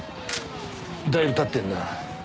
だいぶ経ってんな。